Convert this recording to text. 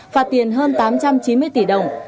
phạt tiền hơn tám trăm chín mươi tỷ đồng